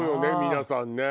皆さんね。